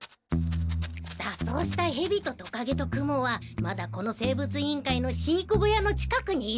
だっそうしたヘビとトカゲとクモはまだこの生物委員会の飼育小屋の近くにいると思う。